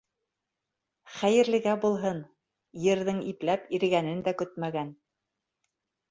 Хәйерлегә булһын, ерҙең ипләп ирегәнен дә көтмәгән...